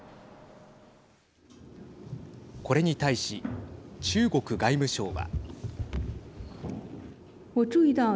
これに対し中国外務省は。